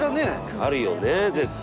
あるよね絶対。